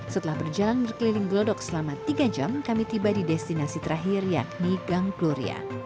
setelah berjalan berkeliling glodok selama tiga jam kami tiba di destinasi terakhir yakni gang gloria